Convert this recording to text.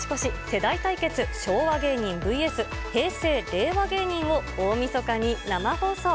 世代対決、昭和芸人ＶＳ平成・令和芸人を大みそかに生放送。